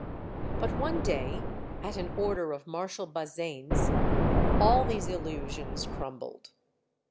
But one day, at an order of Marshal Bazaine's, all these illusions crumbled.